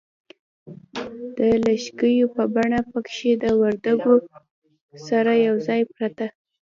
د لږکیو په بڼه پکښې د وردگو سره یوځای پرته